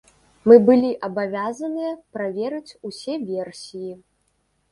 Мы былі абавязаныя праверыць усе версіі.